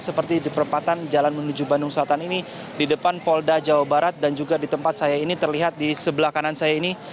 seperti di perempatan jalan menuju bandung selatan ini di depan polda jawa barat dan juga di tempat saya ini terlihat di sebelah kanan saya ini